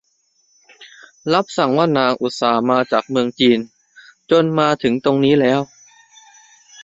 รับสั่งว่านางอุตส่าห์มาจากเมืองจีนจนมาถึงตรงนี้แล้ว